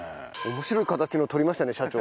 面白い形のとりましたね社長。